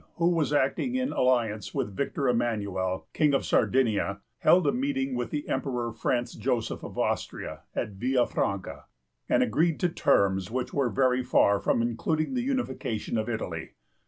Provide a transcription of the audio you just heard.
who was acting in alliance with Victor Emmanuel, king of Sardinia, held a meeting with the emperor Francis Joseph of Austria at Villa Franca, and agreed to terms which were very far from including the unification of Italy.